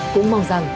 cũng mong rằng